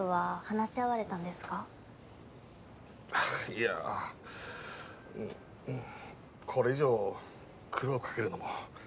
いやこれ以上苦労かけるのも。